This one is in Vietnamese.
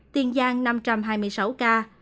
tiền giang năm trăm hai mươi sáu ca